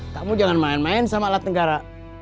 kamu jangan main main sama alat negara